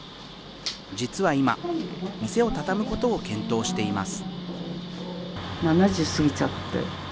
実は今、店を畳むことを検討しています。